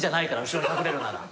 後ろに隠れるなら。